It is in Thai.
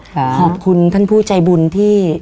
ขอบคุณท่านผู้ใจบุญที่